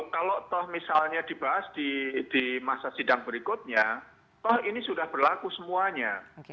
kalau toh misalnya dibahas di masa sidang berikutnya toh ini sudah berlaku semuanya